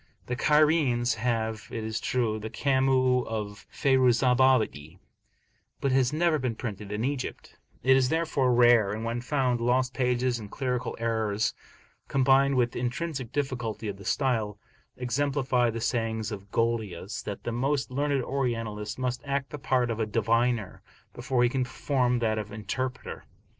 The Cairenes have, it is true, the Kamus of Fayruzabadi, but it has never been printed in Egypt; it is therefore rare, and when found, lost pages and clerical errors combined with the intrinsic difficulty of the style, exemplify the saying of Golius, that the most learned Orientalist must act the part of a diviner, before he can perform that of interpreter.